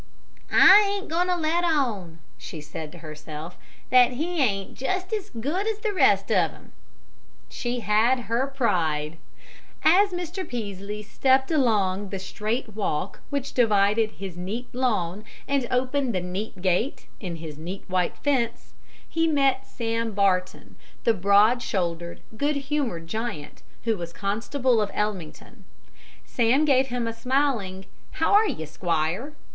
"I ain't goin' to let on," she said to herself, "that he ain't just as good as the rest of 'em." She had her pride. As Mr. Peaslee stepped along the straight walk which divided his neat lawn, and opened the neat gate in his neat white fence, he met Sam Barton, the broad shouldered, good humored giant who was constable of Ellmington. Sam gave him a smiling "How are ye, squire?"